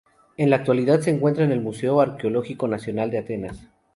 En la actualidad se encuentra en el Museo Arqueológico Nacional de Atenas.